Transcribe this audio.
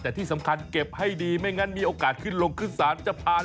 แต่ที่สำคัญเก็บให้ดีไม่งั้นมีโอกาสขึ้นลงขึ้นศาลจะผ่าน